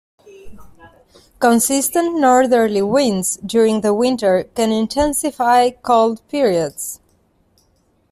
Consistent northerly winds during the winter can intensify cold periods.